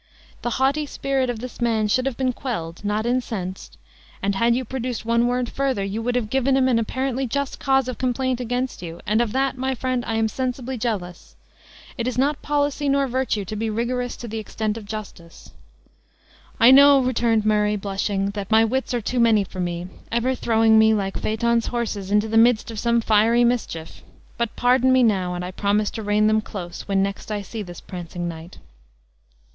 The haughty spirit of this man should have been quelled, not incensed; and, had you proceeded one word further, you would have given him an apparently just cause of complaint against you, and of that, my friend, I am most sensibly jealous. It is not policy nor virtue to be rigorous to the extent of justice." "I know," returned Murray, blushing, "that my wits are too many for me; ever throwing me, like Phaeton's horses, into the midst of some fiery mischief. But pardon me now, and I promise to rein them close, when next I see this prancing knight."